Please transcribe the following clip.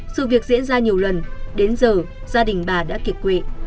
sự việc diễn ra nhiều lần đến giờ gia đình bà đã kiệt quệ